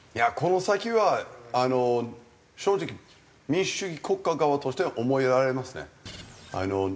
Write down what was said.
この先はあの正直民主主義国家側としては思いやられますね。